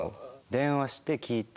電話して聞くの？